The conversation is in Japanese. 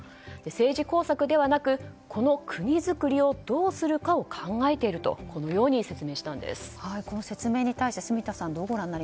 政治工作ではなくこの国造りをどうするかを考えているとこの説明に対して、住田さん